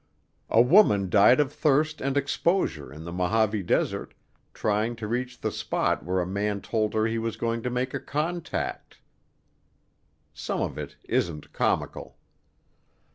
A woman died of thirst and exposure in the Mojave Desert trying to reach the spot where a man told her he was going to "make a contact." Some of it isn't comical.